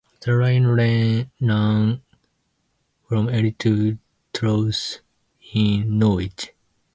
The line ran from Ely to Trowse, in Norwich.